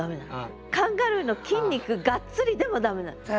「カンガルーの筋肉がっつり」でも駄目なの。